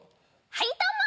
はいどうも！